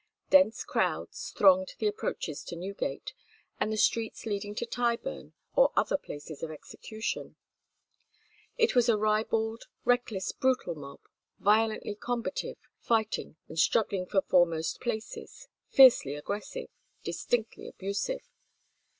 Dense crowds thronged the approaches to Newgate and the streets leading to Tyburn or other places of execution. It was a ribald, reckless, brutal mob, violently combative, fighting and struggling for foremost places, fiercely aggressive, distinctly abusive.